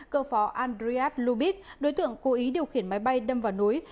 cơ phó andreas lubitsch đối tượng cố ý điều khiển máy bay đâm vào núi